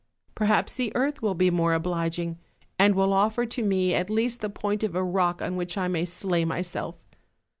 Perhaps the earth will be more obliging, and will offer to me at least the point of a rock on which I may slay my self.